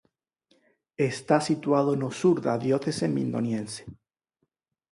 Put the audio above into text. Está situado no sur da diocese mindoniense.